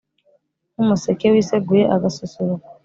Nk'umuseke wiseguye agasusuruko